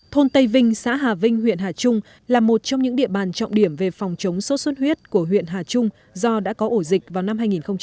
thôn tây vinh xã hà vinh huyện hà trung là một trong những địa bàn trọng điểm về phòng chống sốt xuất huyết của huyện hà trung do đã có ổ dịch vào năm hai nghìn một mươi